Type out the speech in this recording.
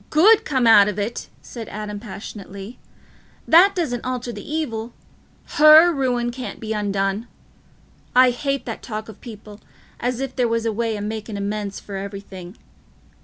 "Good come out of it!" said Adam passionately. "That doesn't alter th' evil: her ruin can't be undone. I hate that talk o' people, as if there was a way o' making amends for everything.